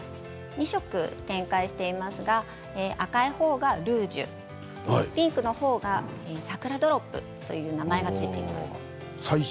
２色展開していますが赤いほうがルージュピンクのほうがサクラドロップという名前が付いています。